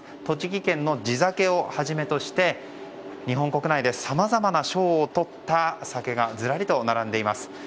栃木県の地酒をはじめとして日本国内でさまざまな賞をとった酒がずらりと並んでいます。